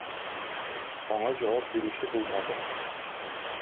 Аңа җавап бирүче булмады.